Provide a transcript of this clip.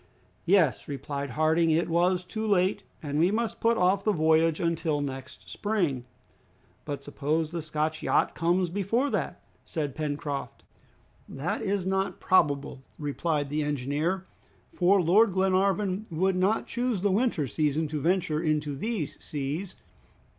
"Yes," replied Harding, "it was too late, and we must put off the voyage until next spring." "But suppose the Scotch yacht comes before that," said Pencroft. "That is not probable," replied the engineer, "for Lord Glenarvan would not choose the winter season to venture into these seas.